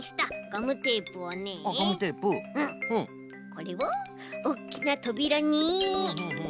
これをおっきなとびらに。